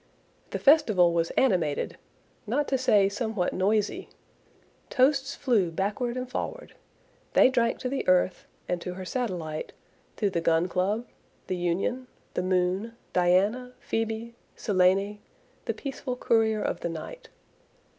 The festival was animated, not to say somewhat noisy. Toasts flew backward and forward. They drank to the earth and to her satellite, to the Gun Club, the Union, the Moon, Diana, Phoebe, Selene, the "peaceful courier of the night!"